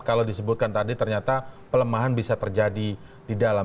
kalau disebutkan tadi ternyata pelemahan bisa terjadi di dalam